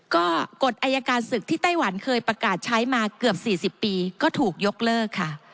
ก็กฎอายการศึกที่ไต้หวันเคยประกาศใช้มาเกือบ๔๐ปีก็ถูกยกเลิกค่ะ